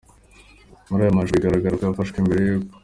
Muri aya mashusho bigaragara ko yafashwe mbere y’uko